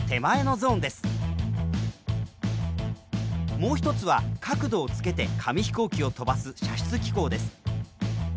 もう一つは角度をつけて紙飛行機を飛ばす射出機構です。